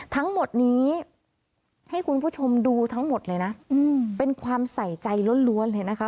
ทั้งหมดนี้ให้คุณผู้ชมดูทั้งหมดเลยนะเป็นความใส่ใจล้วนเลยนะคะ